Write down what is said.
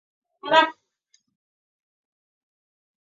日冕和光球被相对较薄的一层色球分隔开来。